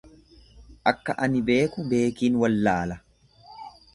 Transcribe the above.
Akka ani beeku beekiin wallaala.